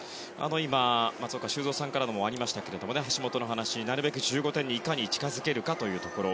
今、松岡修造さんからもありましたけれども橋本の話、なるべく１５点にいかに近づけるかというところ。